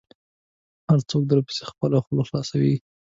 هر څوک درپسې خپله خوله خلاصوي .